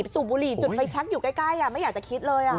สูบบุหรี่จุดไฟแชคอยู่ใกล้ไม่อยากจะคิดเลย